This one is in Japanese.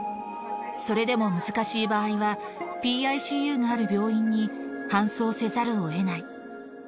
それでも難しい場合は、ＰＩＣＵがある病院に搬送せざるをえない。